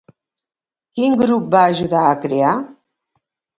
Quin grup va ajudar a crear?